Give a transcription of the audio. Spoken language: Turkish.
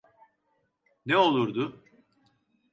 Ne olurdu?